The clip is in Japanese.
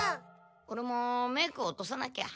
オレもメーク落とさなきゃ。